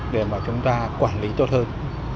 để mà chúng ta quản lý tốt hơn